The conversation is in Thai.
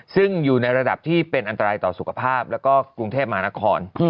ซึ่งอยู่ในระดับที่เป็นอันตรายต่อสุขภาพแล้วก็กรุงเทพมหานคร